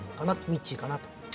ミッチーかなと。